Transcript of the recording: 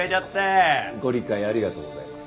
ご理解ありがとうございます。